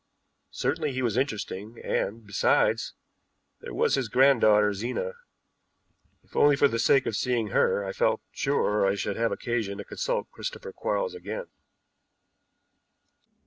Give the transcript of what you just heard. Certainly he was interesting, and, besides, there was his granddaughter, Zena. If only for the sake of seeing her, I felt sure I should have occasion to consult Christopher Quarles again.